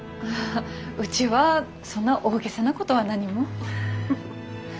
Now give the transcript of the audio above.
うちはそんな大げさなことは何も。